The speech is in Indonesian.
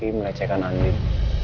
riki melecehkan andin